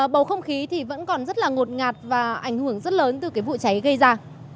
bầu không khí thì vẫn còn rất là ngột ngạt và ảnh hưởng rất lớn từ cái vụ cháy gây ra